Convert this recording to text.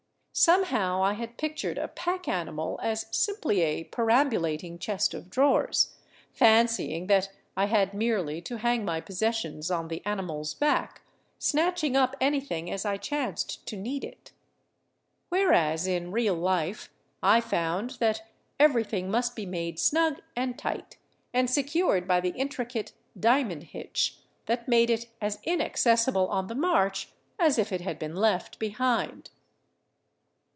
Somehow I had pictured a pack animal as simply a per ambulating chest of drawers, fancying that I had merely to hang my possessions on the animal's back, snatching up anything as I chanced to need it. Whereas in real life I found that everything must be made snug and tight, and secured by the intricate " diamond hitch " that made it as inaccessible on the march as if it had been left behind.